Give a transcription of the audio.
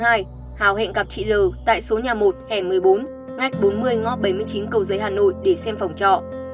hào hẹn gặp chị l tại số nhà một hẻ một mươi bốn ngách bốn mươi ngõ bảy mươi chín cầu giới hà nội để xem phòng trọ